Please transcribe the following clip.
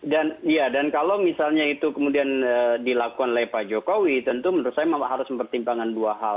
dan iya dan kalau misalnya itu kemudian dilakukan oleh pak jokowi tentu menurut saya harus mempertimbangkan dua hal